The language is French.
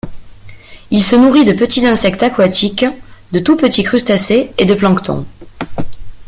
Il se nourrit de petits insectes aquatiques, de tout petits crustacés et de plancton.